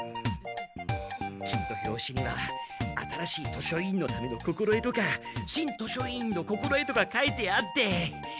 きっと表紙には新しい図書委員のための心得とか新図書委員の心得とか書いてあって。